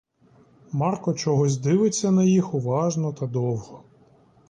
Марко чогось дивиться на їх уважно та довго.